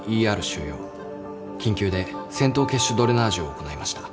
緊急で穿頭血腫ドレナージを行いました。